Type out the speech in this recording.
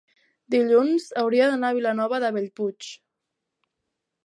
dilluns hauria d'anar a Vilanova de Bellpuig.